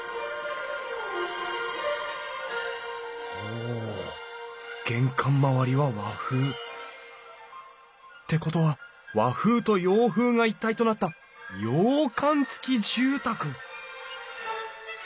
お玄関周りは和風。ってことは和風と洋風が一体となった洋館付き住宅！